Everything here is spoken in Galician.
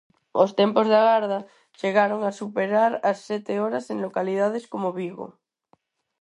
Os tempos de agarda chegaron a superar as sete horas en localidades como Vigo.